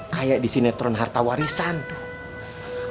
kayak di sinetron harta warisan tuh